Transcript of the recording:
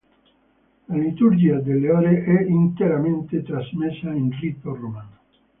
La liturgia delle ore è interamente trasmessa in rito romano.